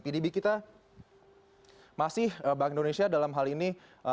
pdb kita masih bank indonesia dalam hal ini